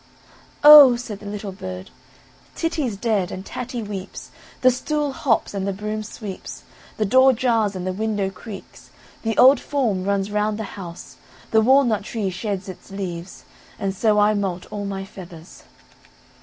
"Oh!" said the little bird, "Titty's dead, and Tatty weeps, the stool hops, and the broom sweeps, the door jars, and the window creaks, the old form runs round the house, the walnut tree sheds its leaves, and so I moult all my feathers."